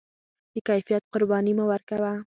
د کیفیت قرباني مه ورکوه.